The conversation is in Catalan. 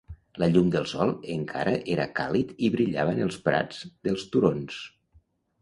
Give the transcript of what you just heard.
La llum del sol encara era càlid i brillava en els prats dels turons.